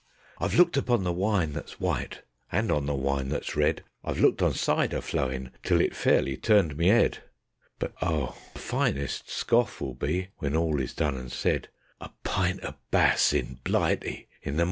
I've looked upon the wine that's white, and on the wine that's red; I've looked on cider flowin', till it fairly turned me 'ead; But oh, the finest scoff will be, when all is done and said, A pint o' Bass in Blighty in the mawnin'.